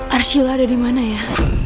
arsiola ada di mana ya